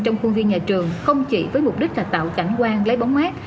trong khuôn viên nhà trường không chỉ với mục đích là tạo cảnh quan lấy bóng mát